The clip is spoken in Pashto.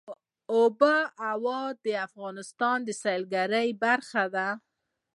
آب وهوا د افغانستان د سیلګرۍ یوه برخه ده.